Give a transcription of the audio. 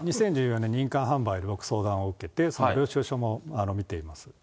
２０１６年に印鑑販売の相談を受けて、領収書も見ています。